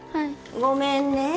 ごめんね。